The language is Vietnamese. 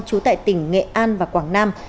trú tại tỉnh nghệ an và quảng nam